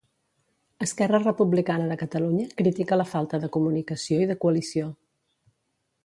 Esquerra Republicana de Catalunya critica la falta de comunicació i de coalició.